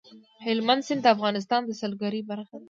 هلمند سیند د افغانستان د سیلګرۍ برخه ده.